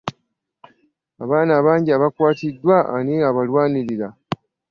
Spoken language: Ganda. Abaana abangi abakwatiddwa ani abalwanirira?